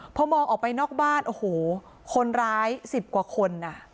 พอมองออกไปนอกบ้านโอ้โหคนร้าย๑๐กว่าคนอ่ะ